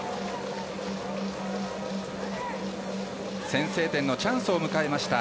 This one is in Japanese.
先制点のチャンスを迎えました